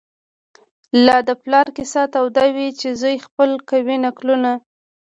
لا د پلار کیسه توده وي چي زوی خپل کوي نکلونه